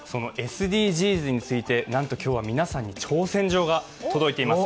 ＳＤＧｓについて、なんと今日は皆さんに挑戦状が届いています。